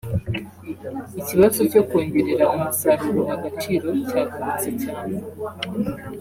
Ikibazo cyo kongerera umusaruro agaciro cyagarutse cyane